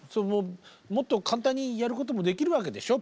もっと簡単にやることもできるわけでしょ？